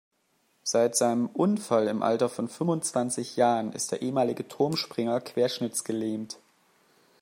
Seit seinem Unfall im Alter von fünfundzwanzig Jahren ist der ehemalige Turmspringer querschnittsgelähmt.